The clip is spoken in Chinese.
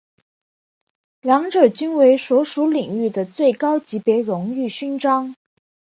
两者均为所属领域的最高级别荣誉勋章。